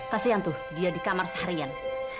kasian tuh dia di kamar seharian